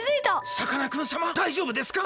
さかなクンさまだいじょうぶですか？